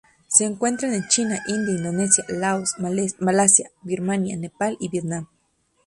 Se encuentran en China, India, Indonesia, Laos, Malasia, Birmania, Nepal y Vietnam.